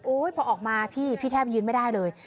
พอออกมาพี่พี่แทบยืนไม่ได้เลย